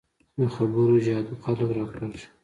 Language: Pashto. د خبرو جادو خلک راکاږي